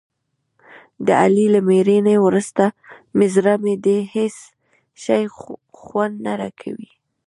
د علي له مړینې ورسته مې زړه مړ دی. هېڅ شی خوند نه راکوي.